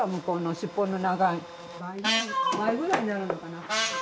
倍くらいになるのかな。